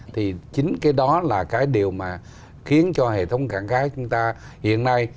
thì chính cái đó là cái điều mà khiến cho hệ thống cảng cá chúng ta hiện nay